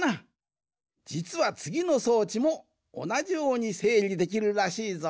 じつはつぎの装置もおなじようにせいりできるらしいぞ。